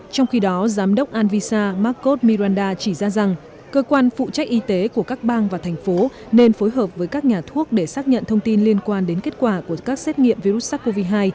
trong khi đó giám đốc anvisa marcos miranda chỉ ra rằng cơ quan phụ trách y tế của các bang và thành phố nên phối hợp với các nhà thuốc để xác nhận thông tin liên quan đến kết quả của các xét nghiệm virus sars cov hai